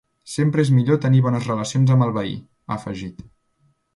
Sempre és millor tenir bones relacions amb el veí, ha afegit.